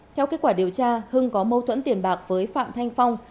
theo kết quả điều tra hưng có mâu thuẫn tiền bạc với phạm thanh phong